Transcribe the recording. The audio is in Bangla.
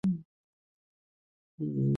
আসো, সমস্যা নেই।